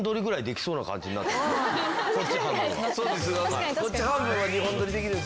そうです。